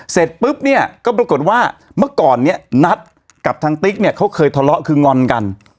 เสร็จปุ๊บเนี่ยก็ปรากฏว่าเมื่อก่อนเนี่ยนัทกับทางติ๊กเนี่ยเขาเคยทะเลาะคืองอนกัน